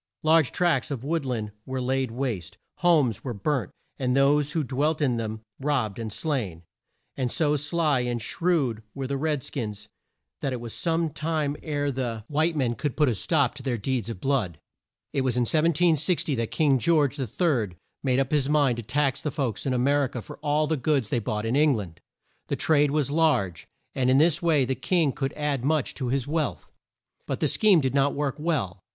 Large tracts of wood land were laid waste; homes were burnt, and those who dwelt in them robbed and slain; and so sly and shrewd were the red skins that it was some time ere the white men could put a stop to their deeds of blood. It was in 1760 that King George the Third made up his mind to tax the folks in A mer i ca for all the goods they bought in Eng land. The trade was large, and in this way the king could add much to his wealth. But the scheme did not work well.